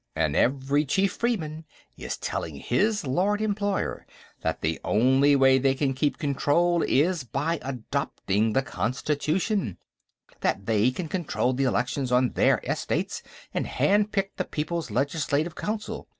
And every chief freedman is telling his Lord Employer that the only way they can keep control is by adopting the constitution; that they can control the elections on their estates, and hand pick the People's Legislative Council.